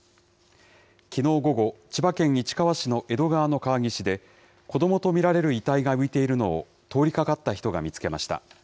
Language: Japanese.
きのう午後、千葉県市川市の江戸川の川岸で、子どもと見られる遺体が浮いているのを、通りかかった人が見つけました。